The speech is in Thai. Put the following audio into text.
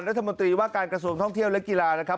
รัฐมนตรีว่าการกระทรวงท่องเที่ยวและกีฬานะครับ